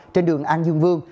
trên đường an dương vương